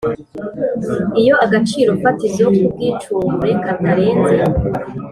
Iyo agaciro fatizo k ubwicungure katarenze